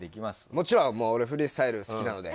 もちろん、俺フリースタイル好きなので。